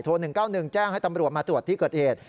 ๑๙๑แจ้งให้ตำรวจมาตรวจที่เกิดเหตุ